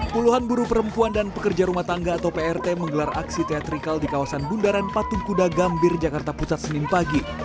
puluhan buruh perempuan dan pekerja rumah tangga atau prt menggelar aksi teatrikal di kawasan bundaran patung kuda gambir jakarta pusat senin pagi